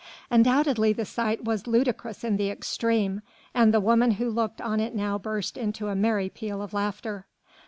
Undoubtedly the sight was ludicrous in the extreme, and the woman who looked on it now burst into a merry peal of laughter.